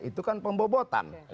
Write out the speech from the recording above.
itu kan pembobotan